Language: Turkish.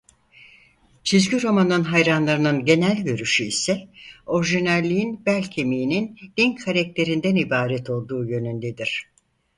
Çizgi romanın hayranlarının genel görüşü ise orijinalliğin belkemiğinin Link karakterinden ibaret olduğu yönündedir.